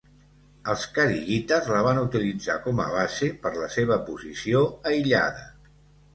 Els kharigites la van utilitzar com a base per la seva posició aïllada.